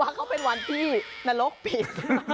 เขาเป็นวันที่นรกผิด